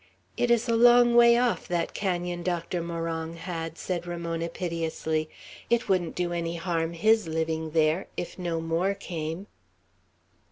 "It is a long way off, that canon Doctor Morong had," said Ramona, piteously. "It wouldn't do any harm, his living there, if no more came."